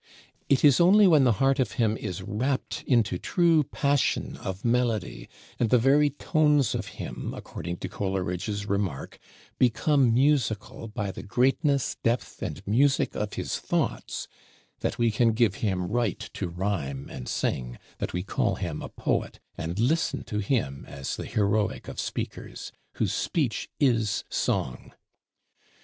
It is only when the heart of him is rapt into true passion of melody, and the very tones of him, according to Coleridge's remark, become musical by the greatness, depth, and music of his thoughts, that we can give him right to rhyme and sing; that we call him a Poet, and listen to him as the Heroic of Speakers, whose speech is Song.